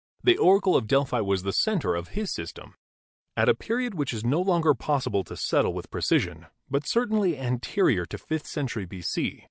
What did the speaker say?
The Oracle of Delphi was the center of his system. At a period which it is no longer possible to settle with precision, but certainly anterior to the fifth century B.C.